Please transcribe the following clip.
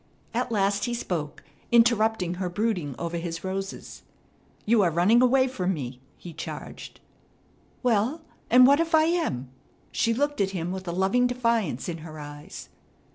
At last he spoke, interrupting her brooding over his roses. "You are running away from me!" he charged. "Well, and what if I am?" She looked at him with a loving defiance in her eyes.